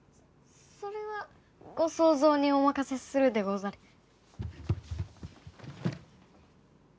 それはご想像にお任せするでござる。